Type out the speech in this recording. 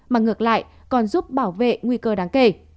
mà ngược lại còn giúp bảo vệ nguy cơ đáng kể